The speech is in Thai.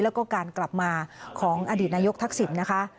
แล้วก็การกลับมาของอดีตนายกทักษิณนะคะ